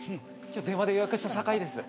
電話で予約した酒井です。